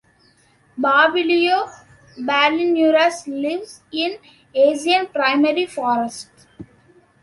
"Papilio palinurus" lives in Asian primary forests.